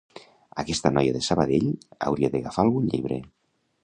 Aquesta noia de Sabadell hauria d'agafar algun llibre